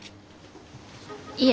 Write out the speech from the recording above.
いえ。